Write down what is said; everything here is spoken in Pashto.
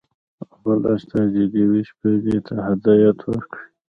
خپل استازي لیویس پیلي ته هدایت ورکړ.